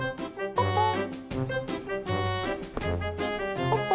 ポッポー。